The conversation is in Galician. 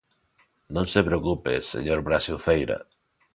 Non se preocupe, señor Braxe Uceira.